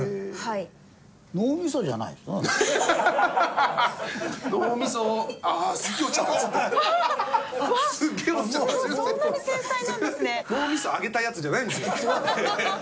脳みそ揚げたやつじゃないんですよ。